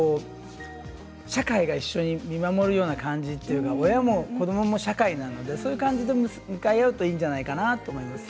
社会が一緒に見守るような感じというか親も子どもも社会なのでそういう感じで向かい合うといいんじゃないかなと思います。